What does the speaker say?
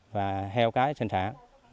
và heo cái sơn tháng